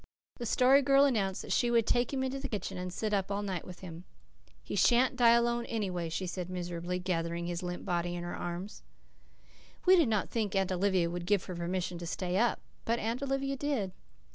The Story Girl announced that she would take him into the kitchen and sit up all night with him. "He sha'n't die alone, anyway," she said miserably, gathering his limp body up in her arms. We did not think Aunt Olivia would give her permission to stay up; but Aunt Olivia did.